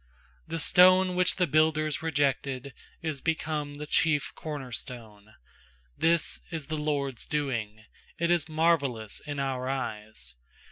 stone which the builders re jected Is become the chief corner stone. is the LORD'S doing; It is marvellous in our eyes.